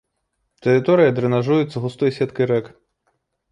Тэрыторыя дрэнажуецца густой сеткай рэк.